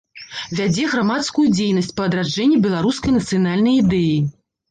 Вядзе грамадскую дзейнасць па адраджэнні беларускай нацыянальнай ідэі.